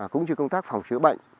cũng như công tác phòng chữa bệnh